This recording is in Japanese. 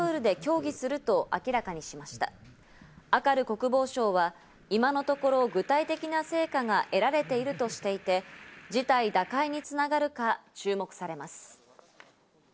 国防相は今のところ具体的な成果は得られているとしていて、事態打開に繋がるか注目されます。